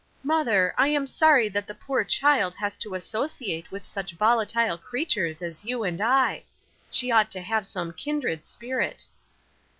"Mother, I am sorry that the poor child has to associate with such volatile creatures as you and I. She ought to have some kindred spirit."